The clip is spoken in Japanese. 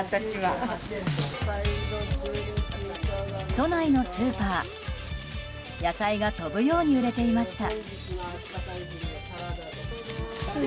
都内のスーパー、野菜が飛ぶように売れていました。